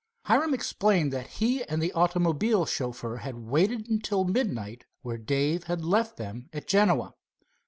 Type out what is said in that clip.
Hiram explained that he and the automobile chauffeur had waited till midnight where Dave had left them at Genoa.